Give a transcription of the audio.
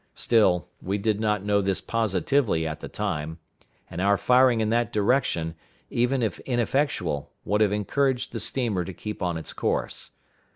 Still, we did not know this positively at the time; and our firing in that direction, even if ineffectual, would have encouraged the steamer to keep on its course.